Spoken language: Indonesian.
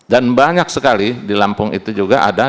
dan banyak sekali di lampung itu juga ada